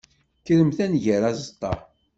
Kremt ad nger aẓeṭṭa.